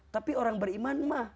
tapi orang beriman mah